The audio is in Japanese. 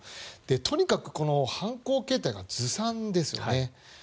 とにかく犯行形態がずさんですよね。